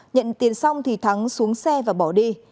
nhận tiền xong thì thắng xuống xe và bỏ đi